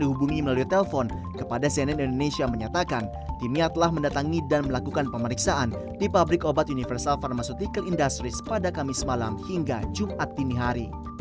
dihubungi melalui telepon kepada cnn indonesia menyatakan timnya telah mendatangi dan melakukan pemeriksaan di pabrik obat universal pharmaceutical industries pada kamis malam hingga jumat dini hari